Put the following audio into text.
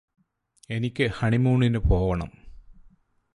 എനിക്ക് ഹണിമൂണിന് പോവണം